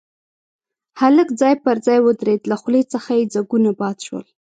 هلک ځای پر ځای ودرېد، له خولې څخه يې ځګونه باد شول.